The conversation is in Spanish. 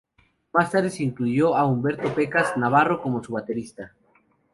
Más tarde se incluyó a Humberto "Pecas" Navarro como su baterista.